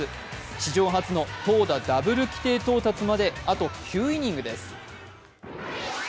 史上初の投打ダブル規定到達まであと９イニングです。